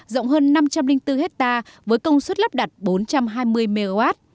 rộng hơn năm trăm linh bốn hectare với công suất lắp đặt bốn trăm hai mươi mw